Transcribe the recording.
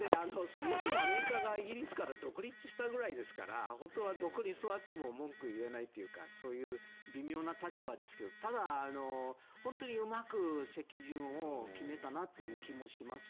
そもそもアメリカがイギリスから独立したぐらいですから本当はどこに座っても文句を言えないというかそういう微妙な立場ですがただ、本当にうまく席順を決めたなという気もします。